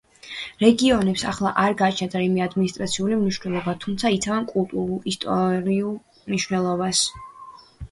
რეგიონებს ახლა არ გააჩნიათ რაიმე ადმინისტრაციული მნიშვნელობა, თუმცა იცავენ კულტურულ და ისტორიულ მნიშვნელობას.